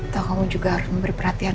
atau kamu juga harus memberi perhatian